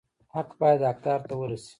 حق باید حقدار ته ورسي